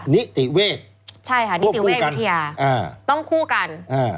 นิติเวฆข้วบคู่กันใช่ค่ะนิติเวฆวิทยาต้องคู่กัน